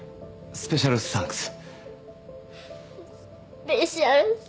スペシャルサンクス